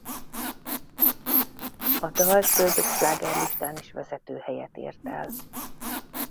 A dal több slágerlistán is vezető helyet ért el.